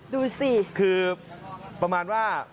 ดูสิคือประมาณว่า